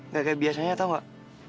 gak kayak biasanya tau gak